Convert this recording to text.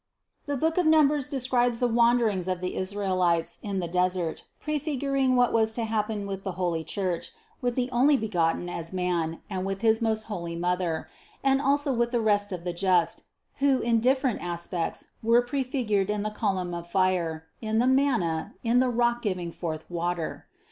The book of Numbers describes the wanderings of the Israelites in the desert, prefiguring what was to happen with the holy Church, with the Onlybegotten as man, and with his most holy Mother; and also with the rest of the just, who, in different aspects, were prefigured in the column of fire, in the manna, in the rock giving forth water.